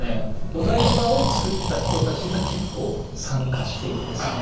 お台場を造った人たちが結構参加していてですね。